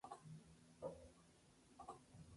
Contralmirante de la Marina de Guerra del Perú.